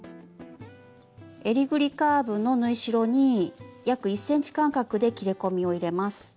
えりぐりカーブの縫い代に約１ｃｍ間隔で切り込みを入れます。